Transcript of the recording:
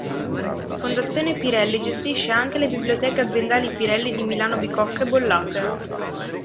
Fondazione Pirelli gestisce anche le Biblioteche aziendali Pirelli di Milano Bicocca e Bollate.